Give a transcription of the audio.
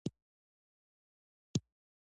اوږده غرونه د افغانستان د انرژۍ سکتور برخه ده.